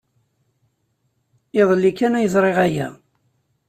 Iḍelli kan ay ẓriɣ aya.